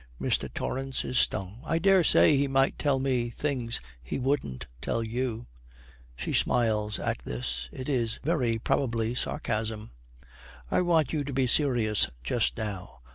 Mr. Torrance is stung. 'I daresay he might tell me things he wouldn't tell you.' She smiles at this. It is very probably sarcasm. 'I want you to be serious just now.